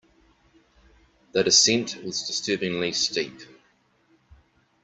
The descent was disturbingly steep.